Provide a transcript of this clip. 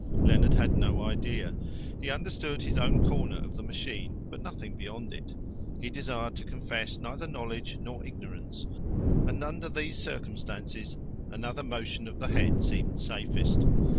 Leonard had no idea. He understood his own corner of the machine, but nothing beyond it. He desired to confess neither knowledge nor ignorance, and under these circumstances, another motion of the head seemed safest.